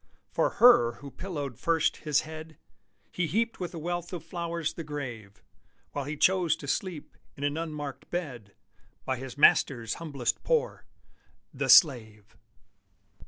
For her who pillowed first his head He heaped with a wealth of flowers the grave, While he chose to sleep in an unmarked bed, By his Master's humblest poor the slave!